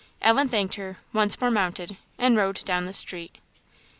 Ellen thanked her, once more mounted, and rode down the street.